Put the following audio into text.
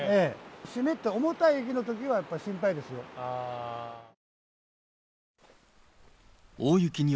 湿って重たい雪のときはやっぱ心配ですよ。